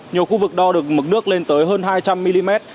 nhiều khu vực đo được mực nước lên tới hơn hai trăm linh mm